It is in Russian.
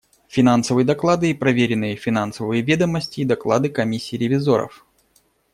Финансовые доклады и проверенные финансовые ведомости и доклады Комиссии ревизоров.